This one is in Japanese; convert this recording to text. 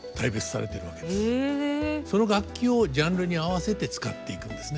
その楽器をジャンルに合わせて使っていくんですね。